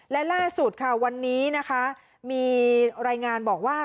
และล่าสุดวันนี้มีรายงานบอกว่า